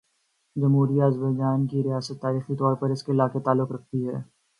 جمہوریہ آذربائیجان کی ریاست تاریخی طور پر اس علاقے سے تعلق رکھتی ہے